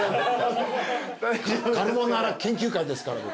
カルボナーラ研究会ですから僕。